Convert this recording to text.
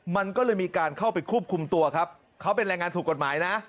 มันก็เลยมีการเข้าไปควบคุมตัวครับเขาเป็นแรงงานถูกกฎหมายนะ